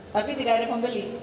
tapi tidak ada yang membeli